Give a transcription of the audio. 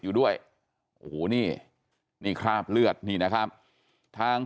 อยู่ด้วยโอ้โหนี่นี่คราบเลือดนี่นะครับทาง